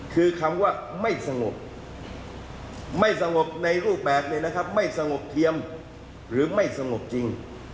คือคำว่าไม่สงบไม่สงบในรูปแบบนี้นะครับไม่สงบเทียมหรือไม่สงบจริง